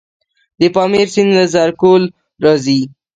د پامیر سیند له زرکول راځي